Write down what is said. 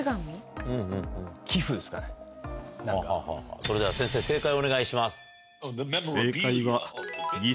それでは先生正解をお願いします。